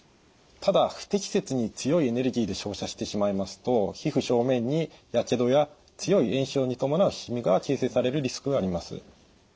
ただ不適切に強いエネルギーで照射してしまいますと皮膚表面にやけどや強い炎症に伴うしみが形成されるリスクがあります。